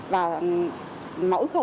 và mỗi khu